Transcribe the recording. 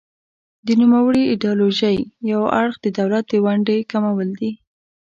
د نوموړې ایډیالوژۍ یو اړخ د دولت د ونډې کمول دي.